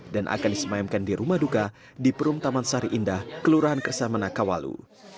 dan akan disemayamkan di rumah duka di perum taman sari indah kelurahan kersah manakawalu